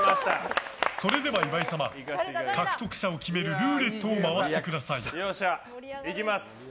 それでは岩井様獲得者を決めるルーレットをいきます。